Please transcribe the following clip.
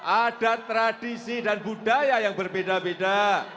ada tradisi dan budaya yang berbeda beda